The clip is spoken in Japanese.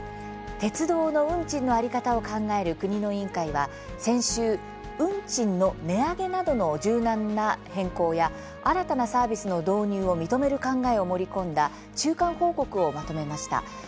鉄道の運賃の在り方を考える国の委員会は先週運賃の値上げなどの柔軟な変更や新たなサービスの導入を認める考えを盛り込んだ中間報告をまとめました。